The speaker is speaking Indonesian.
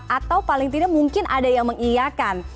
atau paling tidak mungkin ada yang mengiakan